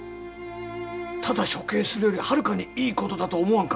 ただ処刑するよりはるかにいいことだと思わんか？